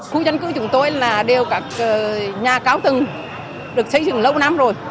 khu dân cư chúng tôi là đều các nhà cao tầng được xây dựng lâu năm rồi